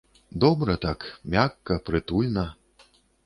Добра так, мякка, прытульна.